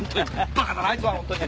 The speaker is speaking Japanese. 馬鹿だなあいつは本当に。